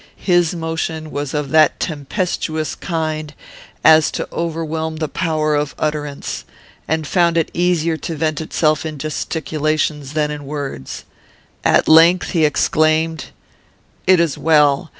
His motion was of that tempestuous kind as to overwhelm the power of utterance, and found it easier to vent itself in gesticulations than in words. At length he exclaimed, "'It is well.